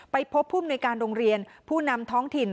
ไปพบผู้มนุยการโรงเรียนผู้นำท้องถิ่น